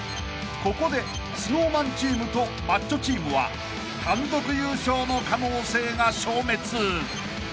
［ここでＳｎｏｗＭａｎチームとマッチョチームは単独優勝の可能性が消滅］